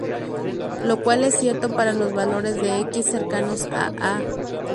Lo cual es cierto para los valores de "x" cercanos a "a".